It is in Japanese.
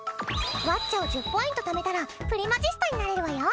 ワッチャ！を１０ポイントためたらプリマジスタになれるわよ。